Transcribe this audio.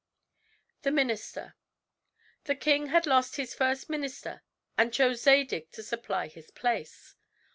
THE MINISTER The king had lost his first minister and chose Zadig to supply his place.